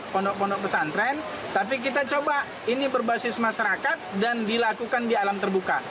pondok pondok pesantren tapi kita coba ini berbasis masyarakat dan dilakukan di alam terbuka